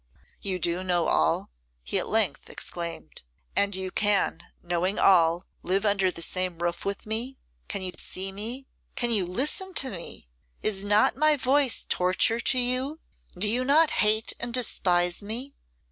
'You do know all,' he at length exclaimed. 'And can you, knowing all, live under the same roof with me? Can you see me? Can you listen to me? Is not my voice torture to you? Do you not hate and despise me?